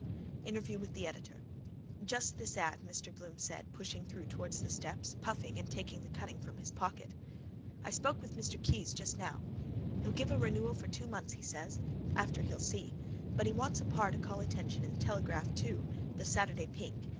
INTERVIEW WITH THE EDITOR —Just this ad, Mr Bloom said, pushing through towards the steps, puffing, and taking the cutting from his pocket. I spoke with Mr Keyes just now. He'll give a renewal for two months, he says. After he'll see. But he wants a par to call attention in the Telegraph too, the Saturday pink.